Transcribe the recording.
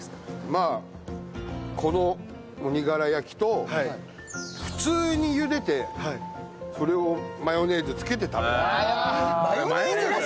まあこの鬼殻焼きと普通に茹でてそれをマヨネーズ付けて食べる。